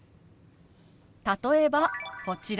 例えばこちら。